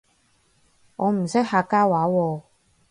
我唔識客家話喎